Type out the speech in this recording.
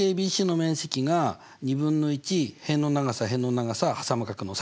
ＡＢＣの面積が２分の１辺の長さ辺の長さはさむ角のｓｉｎ。